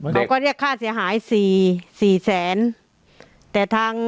เขาก็เรียกค่าเสียหาย๔แสน